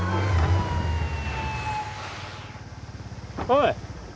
おい。